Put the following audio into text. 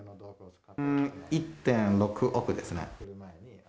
１．６億ですね。